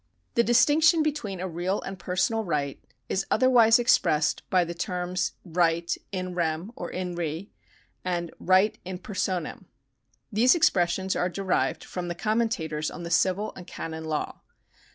The distinction between a real and a personal right is other wise expressed by the terms right in rem (or in re) and right in personam. These expressions are derived from the com mentators on the civil and canon law.